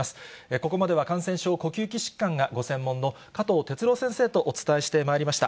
ここまでは感染症呼吸器疾患がご専門の、加藤哲朗先生とお伝えしてまいりました。